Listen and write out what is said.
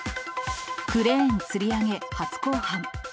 クレーンつり上げ初公判。